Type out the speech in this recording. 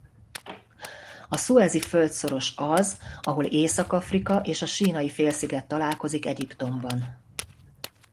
A Szuezi-földszoros az ahol Észak-Afrika és a Sínai-félsziget találkozik Egyiptomban.